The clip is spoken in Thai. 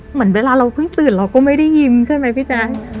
เหมือนเวลาเราเพิ่งตื่นเราก็ไม่ได้ยิ้มใช่ไหมพี่แจ๊ค